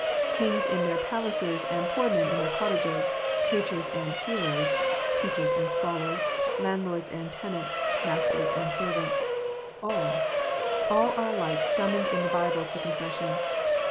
Kings in their palaces and poor men in their cottages, preachers and hearers, teachers and scholars, landlords and tenants, masters and servants, all, all are alike summoned in the Bible to con fession.